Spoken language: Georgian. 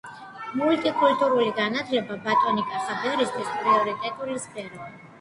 მულტიკულტურული განათლება ბატონი კახაბერისთვის პრიორიტეტული სფეროა.